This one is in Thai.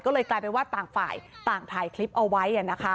ก็เลยกลายเป็นว่าต่างฝ่ายต่างถ่ายคลิปเอาไว้